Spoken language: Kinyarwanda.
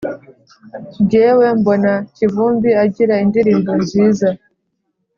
jyewe mbona kivumbi agira indirimbo nziza